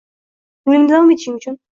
yo‘lingda davom etishing uchun